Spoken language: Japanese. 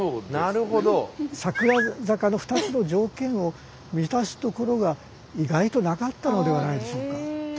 桜坂の２つの条件を満たすところが意外となかったのではないでしょうか。